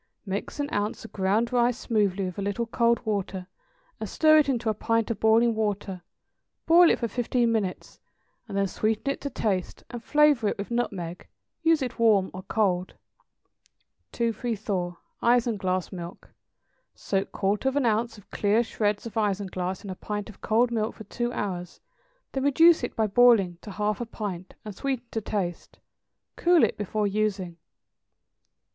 = Mix an ounce of ground rice smoothly with a little cold water, and stir it into a pint of boiling water; boil it for fifteen minutes, and then sweeten it to taste and flavor it with nutmeg. Use it warm or cold. 234. =Isinglass Milk.= Soak quarter of an ounce of clear shreds of isinglass in a pint of cold milk for two hours; then reduce it by boiling to half a pint, and sweeten to taste. Cool it before using.